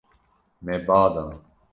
Me ba da.